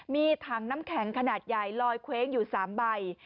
มีถังน้ำแข็งขนาดใหญ่ลอยเคว้งอยู่๓ใบ